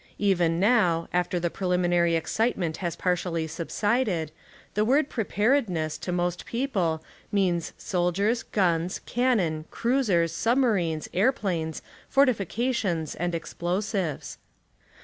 Even now, after the preliminary excitement has partially subsided, the word "pre paredness" to most people means soldiers, guns, cannon, cruisers, submarines, air planes, fortifications and explosives.